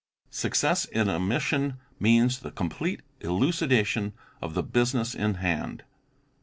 Success in a mission means the complete elucidation of the business in hand.